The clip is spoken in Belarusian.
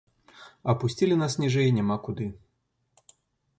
Апусцілі нас ніжэй няма куды.